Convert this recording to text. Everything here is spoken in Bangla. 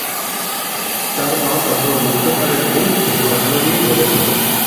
তার মা তখনও বুঝতে পারেননি যে ঘটনাগুলি ঘটেছিল।